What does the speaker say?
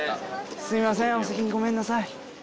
すいませんお先にごめんなさい。